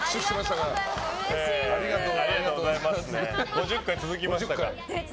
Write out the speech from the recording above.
５０回続きましたから。